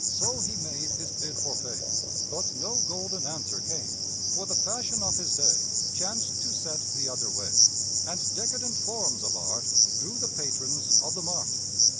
So he made his bid for fame, But no golden answer came, For the fashion of his day Chanced to set the other way, And decadent forms of Art Drew the patrons of the mart.